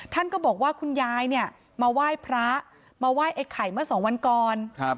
ท่านก็บอกว่าคุณยายมาไหว้พระมาไหว้ไอ้ไข่มาสองวันก่อน